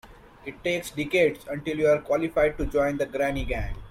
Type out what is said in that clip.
It takes decades until you're qualified to join the granny gang.